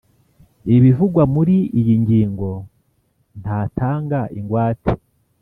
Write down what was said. Ibivugwa muri iyi ngingo ntatanga ingwate